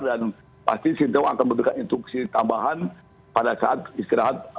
dan pasti singapura akan mendapat instruksi tambahan pada saat istirahat